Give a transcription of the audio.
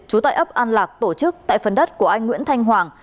trú tại ấp an lạc tổ chức tại phần đất của anh nguyễn thanh hoàng